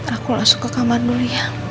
aku langsung ke kamar dulu ya